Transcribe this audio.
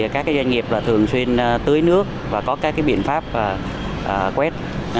các doanh nghiệp thường xuyên tưới nước và có các biện pháp quét